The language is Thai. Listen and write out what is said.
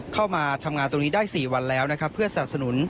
เข้ามาทำงานตรงนี้ได้สี่วันแล้วเพื่อสรรสนุน